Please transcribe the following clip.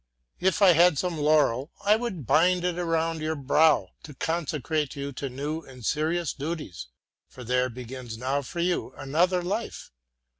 If I had some laurel, I would bind it around your brow to consecrate you to new and serious duties; for there begins now for you another life.